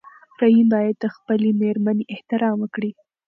رحیم باید د خپلې مېرمنې احترام وکړي.